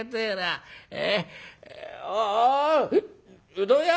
うどん屋！